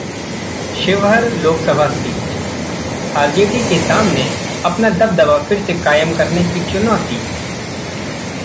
Sheohar Lok Sabha seat: RJD के सामने अपना दबदबा फिर से कायम करने की चुनौती